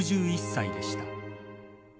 ６１歳でした。